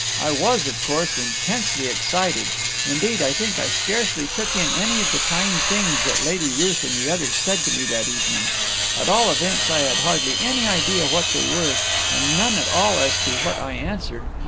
I was, of course, intensely excited; indeed I think I scarcely took in any of the kind things that Lady Ruth and the others said to me that evening; at all events I have hardly any idea what they were, and none at all as to what I answered.